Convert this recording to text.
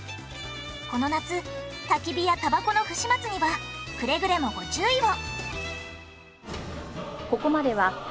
この夏焚き火やたばこの不始末にはくれぐれもご注意を。